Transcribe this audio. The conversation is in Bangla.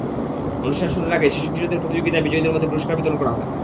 অনুষ্ঠান শুরুর আগে শিশু-কিশোরদের প্রতিযোগিতায় বিজয়ীদের মধ্যে পুরস্কার বিতরণ করা হয়।